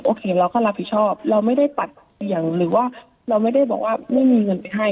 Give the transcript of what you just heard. โอเคเราก็รับผิดชอบเราไม่ได้ปัดเสียงหรือว่าเราไม่ได้บอกว่าไม่มีเงินไปให้